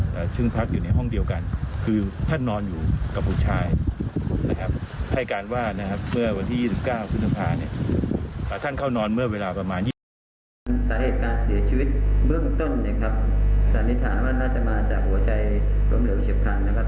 สาเหตุการณ์เสียชีวิตเบื้องต้นสันนิษฐานว่าน่าจะมาจากหัวใจกลมเหลว๑๐๐๐๐นะครับ